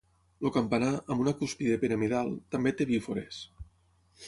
El campanar, amb una cúspide piramidal, també té bífores.